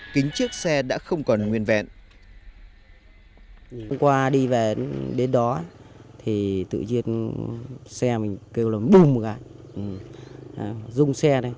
kính chiếc xe đã không còn nguyên vẹn